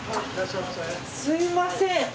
すみません